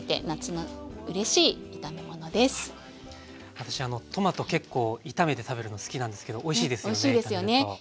私トマト結構炒めて食べるの好きなんですけどおいしいですよね